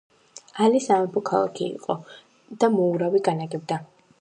ალი სამეფო ქალაქი იყო და მოურავი განაგებდა.